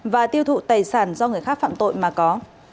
và tiêu thụ tài sản do người khác phạm tội mà có